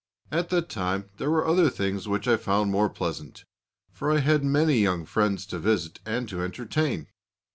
At that time there were other things which I found more pleasant, for I had many young friends to visit and to entertain.